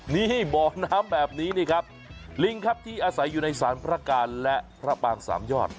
นี่บ่อน้ำแบบนี้นี่ครับลิงครับที่อาศัยอยู่ในสารพระการและพระปางสามยอด